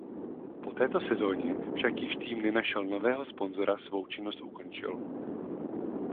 Po této sezóně však již tým nenašel nového sponzora svou činnost ukončil.